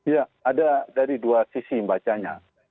ya ada dari dua sisi membacanya